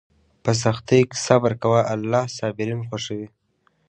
په سختیو کې صبر کوه، الله صابرین خوښوي.